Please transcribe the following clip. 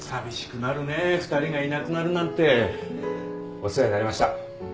お世話になりました。